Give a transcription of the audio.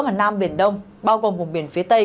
và nam biển đông bao gồm vùng biển phía tây